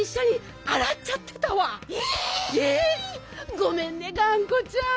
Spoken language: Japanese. ごめんねがんこちゃん。